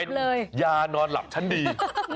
เป็นเลยยานอนหลับชั้นดี